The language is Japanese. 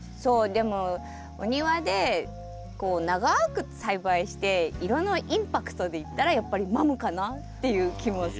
でもお庭でこう長く栽培して色のインパクトでいったらやっぱりマムかなっていう気もする。